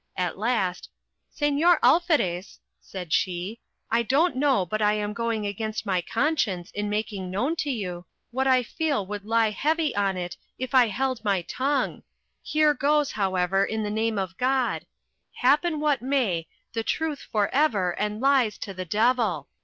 At last, "Señor Alferez," said she, "I don't know but I am going against my conscience in making known to you what I feel would lie heavy on it if I held my tongue. Here goes, however, in the name of God,—happen what may, the truth for ever, and lies to the devil!